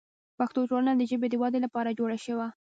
پښتو ټولنه د ژبې د ودې لپاره جوړه شوه.